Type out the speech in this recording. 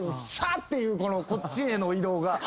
サッ！っていうこっちへの移動が。